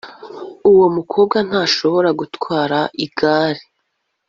Uwo mukobwa ntashobora gutwara igare